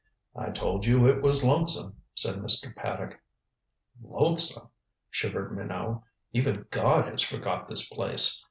"I told you it was lonesome," said Mr. Paddock. "Lonesome," shivered Minot. "Even God has forgot this place.